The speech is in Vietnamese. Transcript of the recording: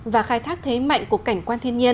và khai thác thế mạnh của cảnh quan thiên nhiên